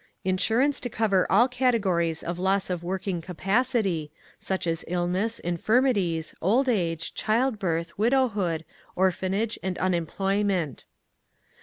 Insurance to cover all categories of loss of working capacity, such as illness, infirmities, old age, childbirth, widowhood, orphanage, and unemployment.